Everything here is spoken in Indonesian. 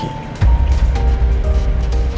tidak ada apa apa